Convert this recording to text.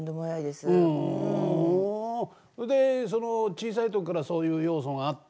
それでその小さい時からそういう要素があって。